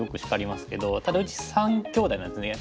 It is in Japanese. ただうち３兄弟なんですね。